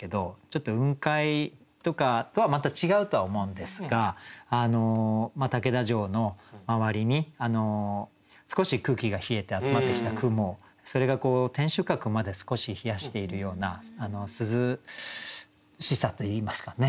ちょっと雲海とかとはまた違うとは思うんですが竹田城の周りに少し空気が冷えて集まってきた雲それが天守閣まで少し冷やしているような涼しさといいますかね。